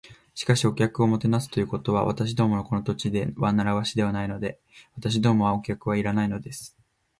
「しかし、お客をもてなすということは、私どものこの土地では慣わしではないので。私どもはお客はいらないのです」